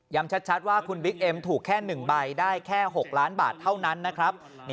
ชัดว่าคุณบิ๊กเอ็มถูกแค่๑ใบได้แค่๖ล้านบาทเท่านั้นนะครับ